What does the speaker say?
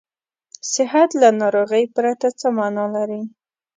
صحت له ناروغۍ پرته څه معنا لري.